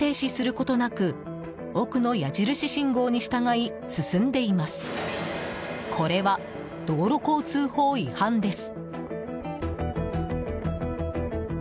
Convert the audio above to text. これは道路交通法違反です。